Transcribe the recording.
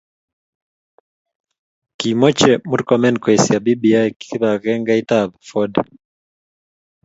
Kimoche Murkomen koesio bbi kibangengeit ab Ford